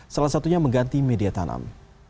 salah satunya mengganti media tanam